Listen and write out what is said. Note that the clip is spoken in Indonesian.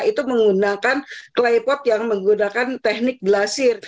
itu menggunakan claypot yang menggunakan teknik belasir